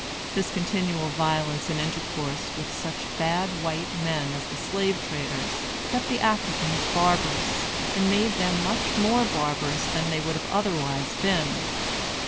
This continual violence, and intercourse with such bad white men as the slave traders, kept the Africans barbarous; and made them much more barbarous than they would otherwise have been.